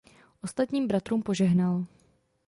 Ostatním bratrům požehnal.